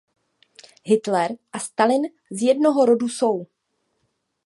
Hitler a Stalin z jednoho rodu jsou.